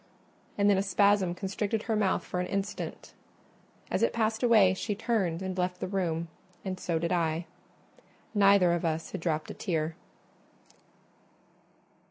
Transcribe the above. And then a spasm constricted her mouth for an instant: as it passed away she turned and left the room, and so did I. Neither of us had dropt a tear.